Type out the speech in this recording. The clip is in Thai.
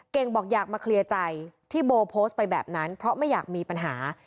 บอกอยากมาเคลียร์ใจที่โบโพสต์ไปแบบนั้นเพราะไม่อยากมีปัญหา